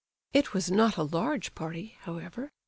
It was not a large party, however.